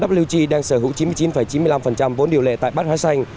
mwg đang sở hữu chín mươi chín chín mươi năm vốn điều lệ tại bách hóa xanh